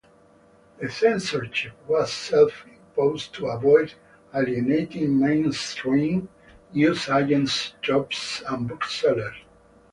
The censorship was self-imposed to avoid alienating mainstream newsagent's shops and booksellers.